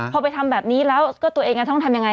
พอไปทำแบบนี้แล้วก็ตัวเองจะต้องทำยังไง